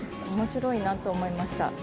おもしろいなと思いました。